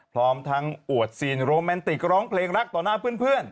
พร้อมทั้งอวดซีนโรแมนติกร้องเพลงรักต่อหน้าเพื่อน